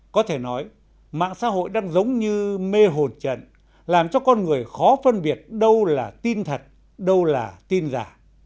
có thể nói mạng xã hội đang giống như mê hồn trận làm cho con người khó phân biệt đâu là tin thật đâu là tin giả